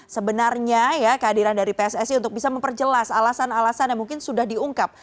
sebenarnya ya kehadiran dari pssi untuk bisa memperjelas alasan alasan yang mungkin sudah diungkap